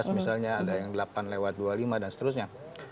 misalnya ada yang delapan lewat dua puluh lima dan seterusnya